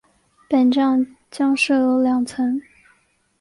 本站将设有两层。